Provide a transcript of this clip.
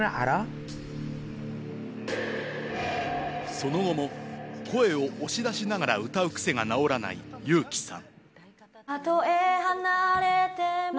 その後も声を押し出しながら歌う癖が直らないユウキさん。